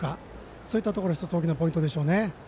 そういったところ１つ大きなポイントでしょうね。